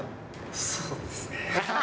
そうですね。